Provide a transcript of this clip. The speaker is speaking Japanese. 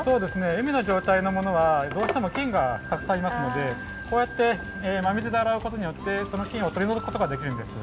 うみのじょうたいのものはどうしてもきんがたくさんいますのでこうやってま水であらうことによってそのきんをとりのぞくことができるんです。